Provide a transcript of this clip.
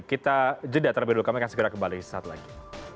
kita jeda terlebih dahulu kami akan segera kembali saat lagi